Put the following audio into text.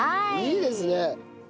いいですね。